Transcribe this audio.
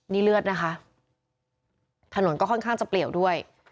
นี่เลือดนะคะถนนก็ค่อนข้างจะเปลี่ยวด้วย